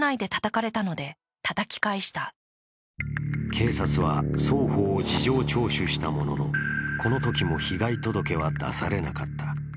警察は双方を事情聴取したもののこのときも被害届は出されなかった。